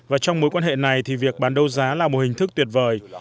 và trong mối quan hệ này thì việc bán đấu giá là một hình thức tuyệt vời